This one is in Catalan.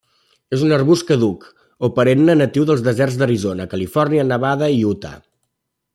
És un arbust caduc o perenne natiu dels deserts d'Arizona, Califòrnia, Nevada i Utah.